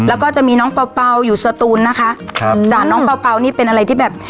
แล้วก็จะมีน้องเป่าเปล่าอยู่สตูนนะคะครับจ้ะน้องเปล่าเปล่านี่เป็นอะไรที่แบบ